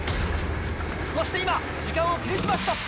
そして今時間を気にしました。